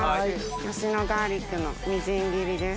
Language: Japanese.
吉野ガーリックのみじん切りです。